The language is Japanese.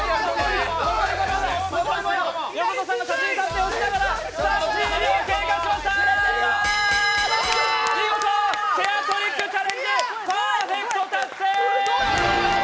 横田さんが写真撮影をしながら、３０秒が経過しました、見事チェアトリックチャレンジパーフェクト達成。